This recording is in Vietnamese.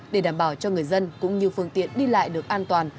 để đảm bảo cho người dân cũng như phương tiện đi lại được an toàn